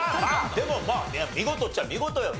でも見事っちゃ見事よね。